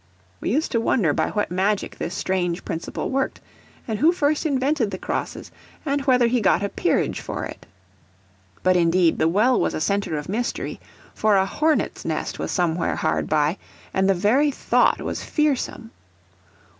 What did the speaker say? We used to wonder by what magic this strange principle worked, and who first invented the crosses, and whether he got a peerage for it. But indeed the well was a centre of mystery, for a hornet's nest was somewhere hard by, and the very thought was fearsome.